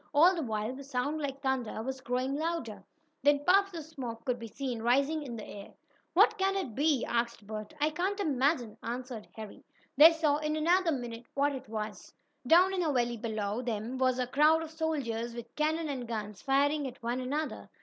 All the while the sound like thunder was growing louder. Then puffs of smoke could be seen rising in the air. "What can it be?" asked Bert. "I can't imagine," answered Harry. They saw, in another minute, what it was. Down in a valley below them was a crowd of soldiers, with cannon and guns, firing at one another.